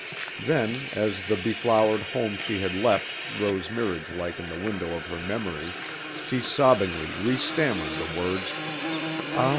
Then, as the beflowered home she had left rose mirage like in the window of her memory, she sobbingly re stammered the words: "A